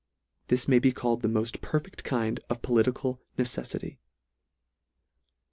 This may be called the mofl perfect kind of po litical neceffity.